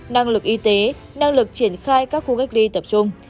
năng lực y tế năng lực triển khai các khu cách ly tập trung